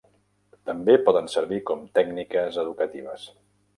També poden servir com tècniques educatives.